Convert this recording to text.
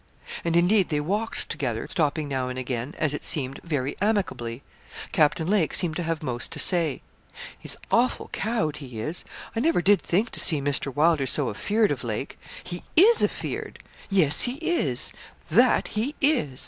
And, indeed, they walked together, stopping now and again, as it seemed, very amicably. Captain Lake seemed to have most to say. 'He's awful cowed, he is; I never did think to see Mr. Wylder so affeard of Lake; he is affeard; yes, he is that he is.